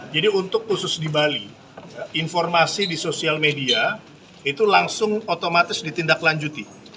jadi untuk khusus di bali informasi di sosial media itu langsung otomatis ditindak lanjuti